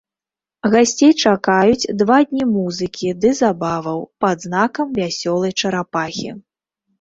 Гасцей чакаюць два дні музыкі ды забаваў пад знакам вясёлай чарапахі.